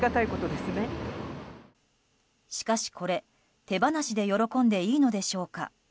しかしこれ、手放しで喜んでいいのでしょうか。